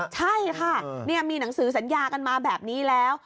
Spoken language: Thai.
ใช่ค่ะมีหนังสือสัญญากันมาแบบนี้แล้ว